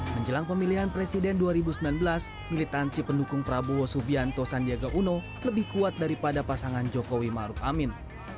menjelang pemilihan presiden dua ribu sembilan belas militansi pendukung prabowo subianto sandiaga uno lebih kuat daripada pasangan jokowi maruf amin